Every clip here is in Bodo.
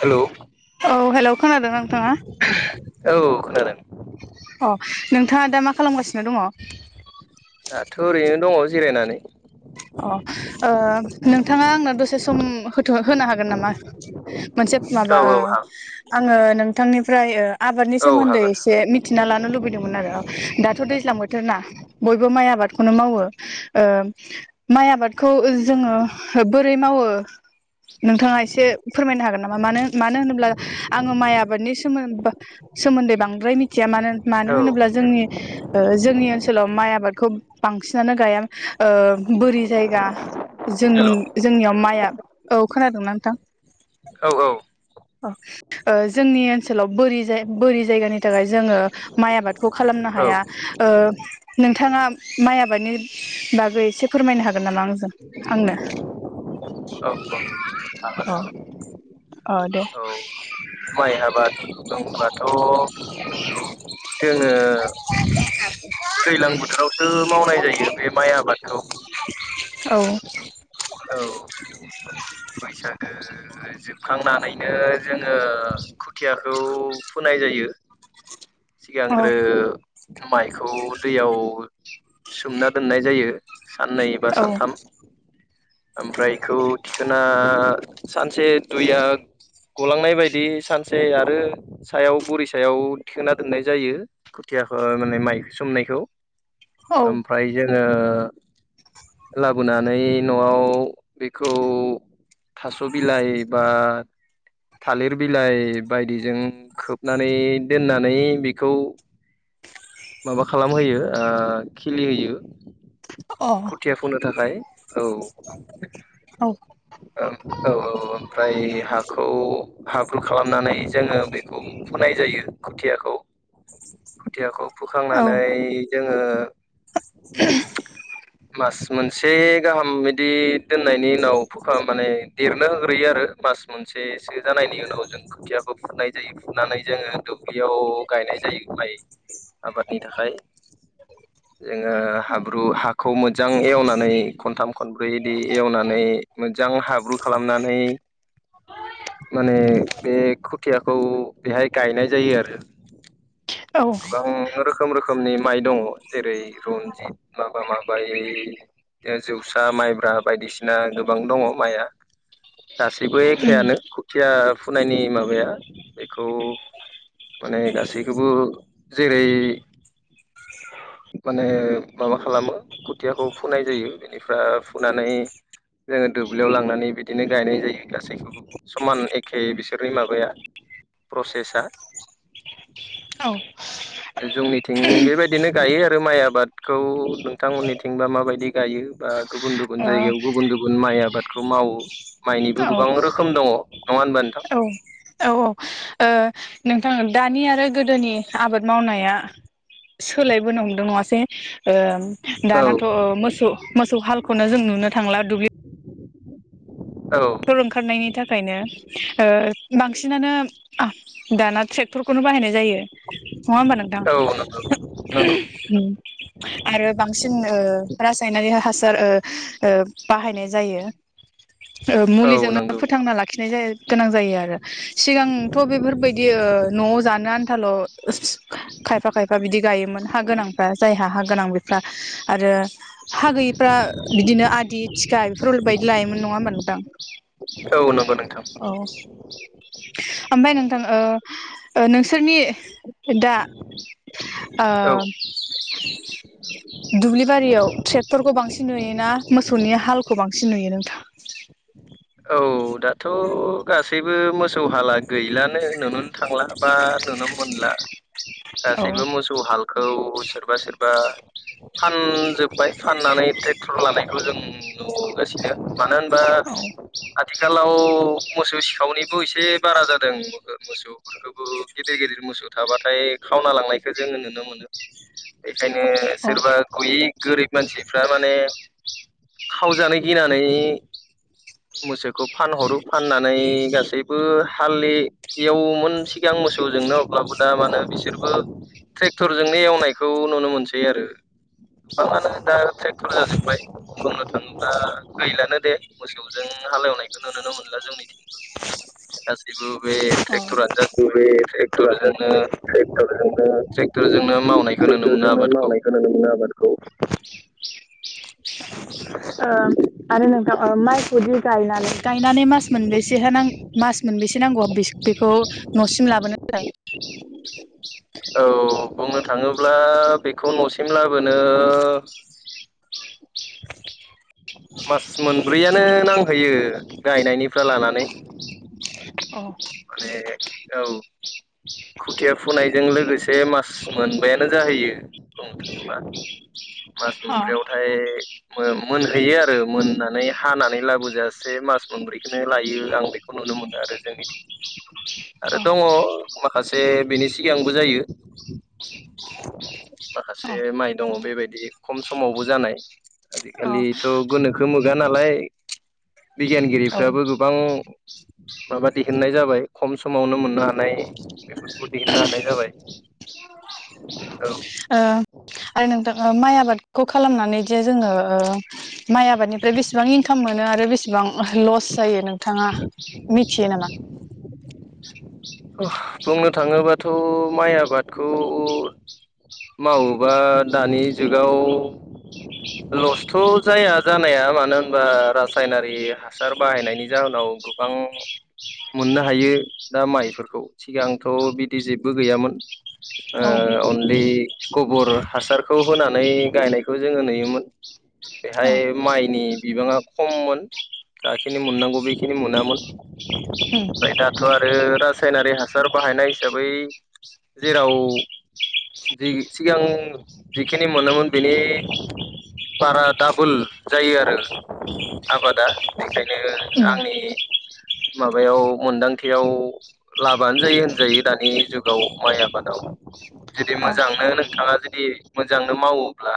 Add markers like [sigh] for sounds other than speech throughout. हेलौ औ हेल' खोनादों नोंथाङा? औ खोनादों। अ नोंथाङा दा मा खालामगासिनो दङ? दाथ' ओरैनो दङ जिरायनानै। अ ओ नोंथाङा आंनो दसे सम होथों होनो हागोन नामा? मोनसे औ माबा औ ओ हा आङो नोंथांनिफ्राय ओ आबादनि औ सोमोन्दै हागोन एसे हागोन थिना लानो लुबैदोंमोन आरो दाथ' दैज्लां बोथोर ना। बयबो माइ आबादखौनो मावो ओ माइ आबादखौ जोङो बोरै मावो नोंथाङा एसे फोरमायनो हागोन नामा मानो मानो होनोब्ला आङो माइ आबादनि सोमोन्द सोमोन्दै बांद्राय मिथिया मानो मानो औ होनोब्ला जोंनि ओ जोंनि ओनसोलाव माइ आबादखौ बांसिनानो गाया ओ बोरि जायगा जों हेल' औ जोंनियाव माइआ औ खोनादोंना नोंथां? औ औ। ओ जोंनि ओनसोलाव बोरि जा बोरि जायगानि थाखाय जोङो माइ आबादखौ खालामनो औ हाया ओ नोंथाङा माइ आबादनि बागै एसे फोरमायनो हागोन नामा आंजों आंनो हागोन औ। हागोन अ दे। औ माइ आबाद होनबाथ' [inaudible] दैज्लां बोथोरावसो मावनाय जायो बे माइ आबादखौ। औ। औ। बैसागो जोबखांनानैनो जोङो खुथियाखौ होनाय जायो औ सिगांग्रो माइखौ दैयाव सोमना दोननाय जायो साननै एबा औ सानथाम ओमफ्राय इखौ थिखोना सानसे दुइया गलांनाय बायदि सानसे आरो सायाव बुरि सायाव थिखोना दोननाय जायो खुथियाखौ माने माइखौ सोमनायखौ औ ओमफ्राय जोङो लाबोनानै न'आव बेखौ थास' बिलाइ बा थालिर बिलाइ बायदिजों खोबनानै दोननानै बेखौ माबा खालामहोयो ओ खिलिहोयो अ खोथिया फुनो थाखाय औ औ औ औ ओमफ्राय हाखौ हाब्रु खालामनानै जोङो बेखौ फुनाय जायो खुथियाखौ खोथियाखौ फोखांनानै जोङो मास मोनसे गाहाम बिदि दोननायनि उनाव हुखा माने देरनो होग्रोयो आरो मास मोनसेसो जानायनि उनाव जों खोथियाखौ फुनाय जायो फुनानै जोङो दुब्लियाव गायनाय जायो गाय आबादनि थाखाय [inaudible] जोङो हाब्रु हाखौ मोजां एवनानै खनथाम खनब्रै इदि एवनानै मोजां हाब्रु खालामनानै माने बे खुथियाखौ बेहाय गायनाय जायो आरो औ गोबां रोखोम रोखोमनि माइ दङ जेरै रन्जित माबा माबाय जौसा माइब्रा बायदिसिना गोबां दङ माइआ गासैबो एखेयानो खुथिया फुनायनि माबाया बेखौ माने गासैखौबो जेरै माने माबा खालामो खोथियाखौ फुनाय जायो बेनिफ्राय फुनानै जोङो दुब्लियाव लांनानै बिदिनो गायनाय जायो गासैखौबो समान एखे बिसोरनि माबाया प्रसेसा औ जोंनिथिं बेबायदिनो गायो आरो माइ आबादखौ नोंथांनिथिंबा माबायदि गायो बा गुबुन गुबुन गुबुन जायगायाव गुबुन गुबुन माइ आबादखौ मावो माइनिबो गोबां रोखोम दङ नङा होनबा नोंथां औ औ ओ नों दानि आरो गोदोनि आबाद मावनाया सोलायबोनो हमदों नङासै ओम औ दानाथ' मोसौ मोसौ हालखौनो जों नुनो थांला दुब्लि औ ओंखारनायनि थाखायनो बांसिनानो दाना ट्रेक्टरखौनो बाहायनाय जायो नङा होमबा नोंथां औ नंगौ नंगौ ओम आरो बांसिन रासायनारि हासार ओ बाहायनाय जायो औ मुलिजोंनो नंगौ फोथांना लाखिनाय जायो गोनां जायो आरो सिगांथ' बेफोरबायदि न'आव जानो आनथाल' खायफा खायफा बिदि गायोमोन हा गोनांफ्रा जायहा हा गोनां बेफ्रा आरो हा गैयिफ्रा बिदिनो आदि थिखा बेफोर बादि लायोमोन नङा होमबा नों जां औ नंगौ नोंथां औ ओमफ्राय नोंथां ओ नोंसोरनि दा ओ औ दुब्लि बारियाव ट्रेक्टरखौ बांसिन नुयोना मोसौनि हालखौ बांसिन नुयो नोंथाङा औ दाथ' गासैबो मोसौ हाला गैलानो नुुनोनो थांला बा नुनो मोनला औ गासैबो मोसौ हालखौ सोरबा सोरबा फानजोबबाय फाननानै ट्रेक्टर लानायखौ जों नुगासिनो मानो होनबा औ आथिखालाव मोसौ सिखावनिबो एसे बारा जादों मोसौ फोरखौबो गिदिर गिदिर मोसौ थाबाथाय खावना लांनायखौ जोङो नुनो मोनो बेखायनो अ सोरबा गयै गोरिब मानसिफ्रा माने खावजानो गिनानै मोसौखौ फानहरो फाननानै गासैबो हालदलि एवोमोन सिगां मोसौजोंनो अब्लाबो दा मानो बिसोरबो ट्रेक्टरजोंनो एवनायखौ नुनो मोनसै आरो मा मानो दा ट्रेक्टर जाजोब्बाय बुंनो थांङोब्ला गैलानो दे मोसौ जों हालेवनायखौ नुनोनो मोनला जोंनिथिंबो गासैबो बे ट्रेक्टरानो जाजोबबाय गुबै ट्रेक्टरानो ट्रेक्टरजोंनो जाहैबाय ट्रेक्टरजोंनो दोरजोंनो मावनायखौ नुनो मोनो आबादखौ खोनादों ना आबादखौ ओ आरो नोंथां माइखौदि गायनानै गायनानै मास मोनबेसे हाय आं मास मोनबस नांगौ बेखौ न'सिम लाबोनो ज औ बुंनो थाङोब्ला बेखौ नसिम लाबोनो मास मोनब्रैयानो नांहैयो गायनायनिफ्राय लानानै औ माने औ खुथिया फुनाय बेजों लोगोसे मास मोनबानो जाहैयो बुंनो थाङोबा मास अ अ मोनब्रैयाव थ फाय मोनहैयो आरो मोननानै हानानै लाबोजायासै मास मोनब्रैखौनो लायो आं बेखौ खौ नुनो मोनो आरो जोंनिथिं आरो दङ माखासे बेनि सिगांबो जायो माखासे माइ दंङ बेबायदि खम समावबो जानाय अ आजिखालिथ' गोनोखो मोगा नालाय अ औ बिगियानगिरिफ्राबो गोबां माबा दिहुननाय जाबाय खम समावनो मोननो हानाय बेफोरखौ दिहुननो हानाय जाबाय औ ओ आरो नोंथां माइ आबादखौ खालामनानै जे जोंङो माइ आबादनिफ्राय बेसेबां इनकाम मोनो आरो बेसेबां लस जायो नोंथाङा मिथियो नामा बुंनो थाङोबाथ' माइ आबादखौ मावोबा दानि जुगाव लस्थ' जाय जानाया मानो होनबा रासायनारि हासार बाहायनायनि जाहोनाव गोबां मोननो हायो दा माइफोरखौ सिगांथ' बिदि जेबो गैयामोन आ औ अलि गोबोर हासारखौ होनानै गायनायखौ जोङो नुयोमोन औ बेहाय माइनि बिबांङा खममोन जाखिनि मोननांगौ बेखिनि मोनामोन ओम ओमफ्राय [inaudible] दाथ' आरो रासायनारि हासार बाहायनाय हिसाबै जेराव सिगां जिखिनि मोनोमोन बेनि बारा डाबोल जायो आरो आबादा बेखायनो उम आंनि माबायाव मोनदांथियाव लाबानो जायो होनजायो दानि जुगाव माइ आबादाव बे अ मोजांनो नोंथाङा जुदि मोजांनो मावोब्ला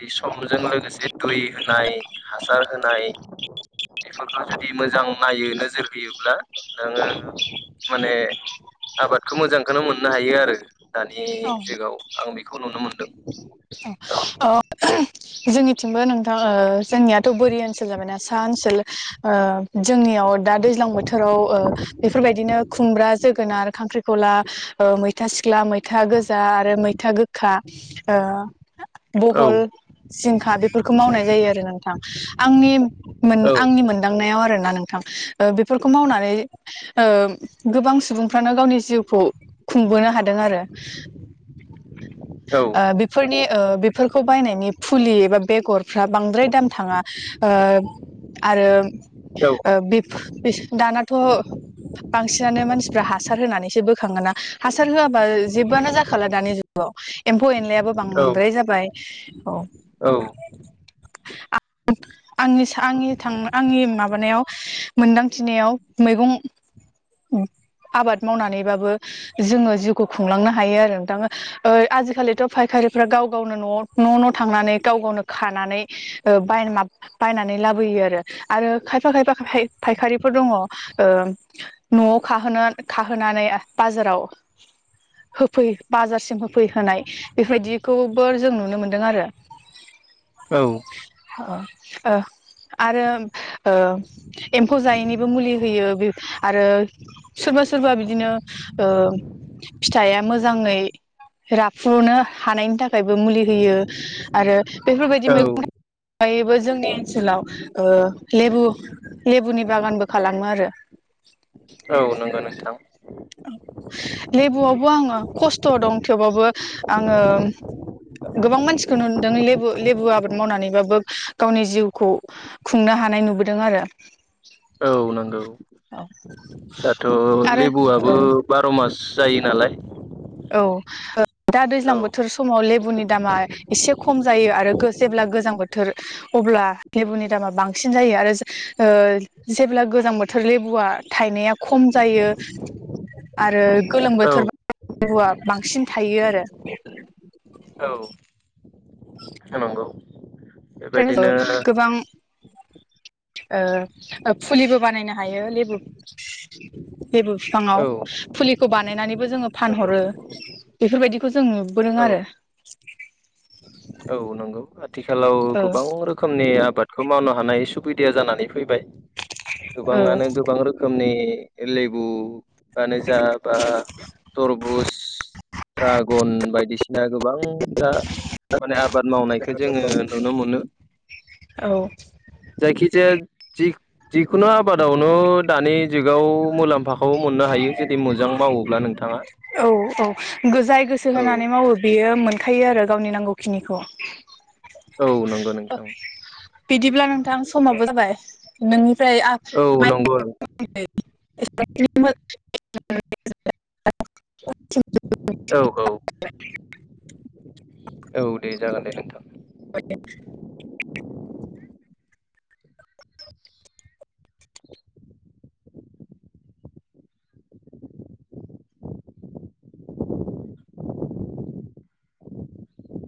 जै समजों लोगोसे दै होनाय हासार होनाय बेफोरखौ जुदि मोजां नायो नोजोर होयोब्ला नोङो माने आबादखौ मोजांखौनो मोननो हायो आरो दानि अ जुगाव आं बेखौ नुनो मोनदों। औ अ अ जोंनिथिंबो नोंथां ओ जोंनियाथ' बोरि ओनसोल जाबाय ना सा ओनसोल ओ जोंनियाव दा दैज्लां बोथोराव ओ बेफोरबायदिनो खुमब्रा जोगोनार खांख्रिखला ओ मै था सिख्ला मैथा गोजा आरो मैथा गोखा ओ औ बहल, जिंखा बेफोरखौ मावनाय जायो आरो नोंथां आंनि मोन आंनि मोन दांनायाव आरोना नोंथां ओ बेफोरखौ मावनानै ओ गोबां सुबुंफ्रानो गावनि जिउखौ खुंबोनो हादों आरो औ ओ बेफोरनि ओ बेफोरखौ बायनायनि फुलि एबा बेगर फ्रा बांद्राय दाम थाङा ओ आरो ओ बे दानाथ' बांसिनानो मानसिफ्रा हासार होनानैसो बोखाङोना हासार होआबा जेबोआनो जाखाला दानि जु गाव एम्फौ एनलायाबो बांद्राय जाबाय औ औ आंनि सा आंनि थां आंनि माबानायाव मोनदांथिनायाव मैगं आबाद मावनानैबाबो जोङो जिउखौ खुंलांनो हायो आरो नोंथां ओ आजिखालिथ' फायखारि गाव गावनो न' न' न' थांनानै गाव गावनो खानानै ओ बाय मा बायनानै लाबोयो आरो आरो खायफा खायफा फाय-फायखारिफोर दङ ओ न'आव खाहोना खाहोनानै बाजाराव होफै बाजारसिम होफैहोनाय बेबायदि खौबो जों नुनो मोन्दों आरो औ ओ ओ आरो ओ एम्फौ जायैनिबो मुलि होयो ओ आरो सोरबा सोरबा बिदिनो ओ फिथाइआ मोजाङै राफुनो हानायनि थाखायबो मुलि होयो आरो बेफोरबायदि औ मैगं अगायबो जोंनि ओनसोलाव ओ लेबु लेबुनि बागानबो खालामो आरो औ नंगौ नोंथां लेबुआवबो आङो खस्थ' दं थेवबाबो आङो गोबां मानसिखौ नुदों लेबु लेबु आबाद मावनानैबाबो गावनि जिउखौ खुंनो हानाय नुबोदों आरो औ नोंगौ दाथ' आरो लेबुआबो औ बार' मास जायो नालाय औ ओ दा दैज्लां औ बोथोर समाव लेबुनि दामा एसे खम जायो आरो जेब्ला गोजां बोथोर अब्ला लेबुनि दामा बांसिन जायो आरो ओ जेब्ला गोजां बोथोर लेबुआ थायनाया खम जायो आरो गोलोम औ बोथोरबा फोरुआ बांसिन थायो आरो औ नोंगौ ओफ्रायनोथ गोबां फुलिबो बानायनो हायो लेबु जेबो औ बिफाङाव फुलिखौ बानायनानैबो जोङो नंगौ फानहरो। बेफोरबायदिखौ जों नुबोदों औ आरो। औ नंगौ। आथिखालाव गोबां रोखोमनि आबादखौ मावनो हानाय सुबिदाया जानानै फैबाय। ओ गोबाङानो गोबां रोखोमनि लेबु मानो जा बा थरबुस, ड्रागन बायदिसिना दा गोबां दा माने आबाद मावनाय जोङो नुनो मोनो। औ जायखिजाया जि -जिखुनु आबादावनो दानि जुगाव मुलाम्फा खौ मोननो हायो जुदि मोजां मावोब्ला नोंथाङा। औ औ जाय गोसो औ। होनानै मावो बेयो मोनखायो आरो गावनि नांगौखिनिखौ। औ नोंगौ नोंथां। बिदिब्ला नोंथां समाबो जाबाय नोंनिफ्राय औ नोंगो [unintelligible] औ औ। औ दे जागोन दे नोंथां। [unintelligible]